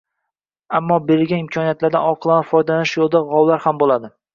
Ammo berilgan imkoniyatlardan oqilona foydalanish yo‘lida g‘ovlar ham bo‘ladi